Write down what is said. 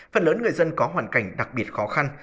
phần lớn người dân có hoàn cảnh đặc biệt khó khăn